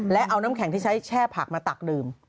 และเอาน้ำแข็งที่ใช้แช่ผักมาตักดื่ม